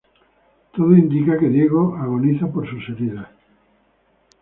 Todo indica que Diego agoniza por sus heridas.